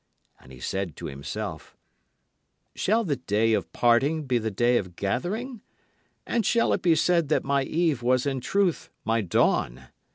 And he said to himself: Shall the day of parting be the day of gathering? And shall it be said that my eve was in truth my dawn?